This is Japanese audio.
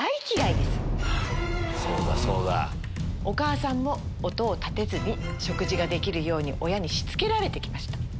お母さんも音を立てずに食事ができるように親にしつけられて来ました。